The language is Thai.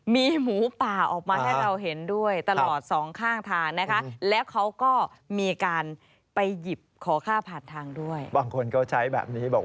มีหมูป่าออกมาให้เราเห็นด้วยตลอดสองข้างทานนะคะ